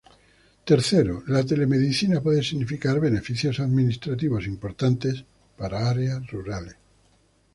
Tercero, la telemedicina puede significar beneficios administrativos importantes para áreas rurales.